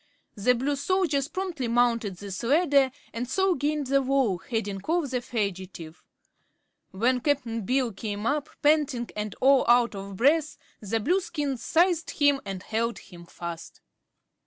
The Blue soldiers promptly mounted this ladder and so gained the wall, heading off the fugitive. When Cap'n Bill came up, panting and all out of breath, the Blueskins seized him and held him fast.